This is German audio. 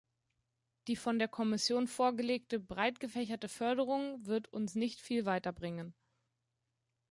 Die von der Kommission vorgelegte breitgefächerte Förderung wird uns nicht viel weiterbringen.